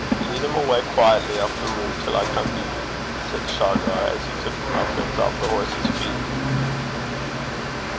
'Lead him awa' quaietly up the road till I come to ye,' said Shargar, as he took the mufflings off the horse's feet.